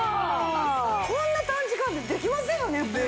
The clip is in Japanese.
こんな短時間でできませんよね普通ね。